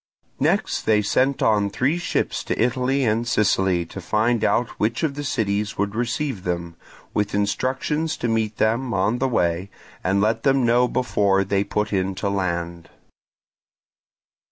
Next they sent on three ships to Italy and Sicily to find out which of the cities would receive them, with instructions to meet them on the way and let them know before they put in to land.